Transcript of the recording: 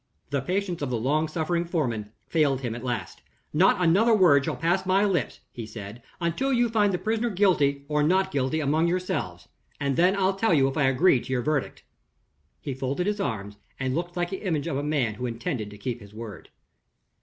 The patience of the long suffering foreman failed him at last. "Not another word shall pass my lips," he said, "until you find the prisoner guilty or not guilty among yourselves and then I'll tell you if I agree to your verdict." He folded his arms, and looked like the image of a man who intended to keep his word.